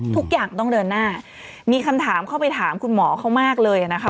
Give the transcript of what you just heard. ทุกอย่างต้องเดินหน้ามีคำถามเข้าไปถามคุณหมอเขามากเลยนะคะ